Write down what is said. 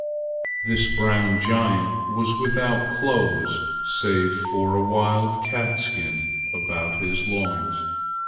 This brown giant was without clothes save for a wild cat skin about his loins.